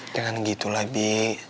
jangan gitu lah bi